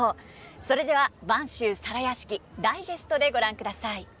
それでは「播州皿屋敷」ダイジェストでご覧ください。